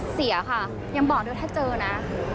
เสียค่ะยังบอกด้วยถ้าเจอนะ